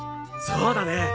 そうだね。